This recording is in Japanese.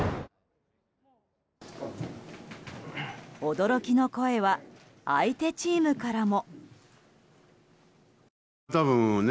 驚きの声は相手チームからも。